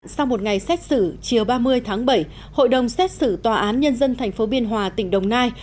sau một ngày xét xử chiều ba mươi tháng bảy hội đồng xét xử tòa án nhân dân tp biên hòa tỉnh đồng nai